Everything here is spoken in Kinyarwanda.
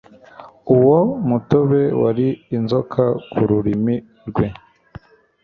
Uwo mutobe wari inzoka kururimi rwe